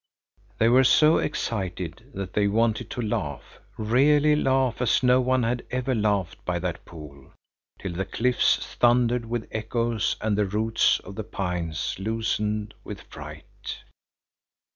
They were so excited that they wanted to laugh, really laugh as no one had ever laughed by that pool, till the cliffs thundered with echoes and the roots of the pines loosened with fright.